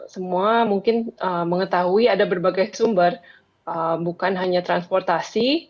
semua mungkin mengetahui ada berbagai sumber bukan hanya transportasi